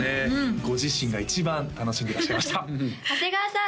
ご自身が一番楽しんでいらっしゃいました長谷川さん